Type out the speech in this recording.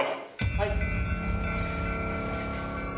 はい。